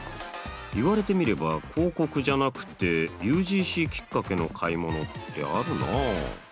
言われてみれば広告じゃなくてＵＧＣきっかけの買い物ってあるなあ。